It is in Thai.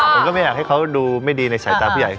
ผมก็ไม่อยากให้เขาดูไม่ดีในสายตาผู้ใหญ่